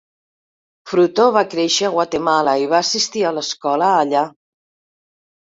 Fruto va créixer a Guatemala i va assistir a l'escola allà.